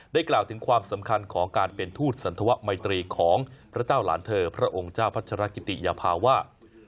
กล่าวถึงความสำคัญของการเป็นทูตสันธวะไมตรีของพระเจ้าหลานเธอพระองค์เจ้าพัชรกิติยภาวะ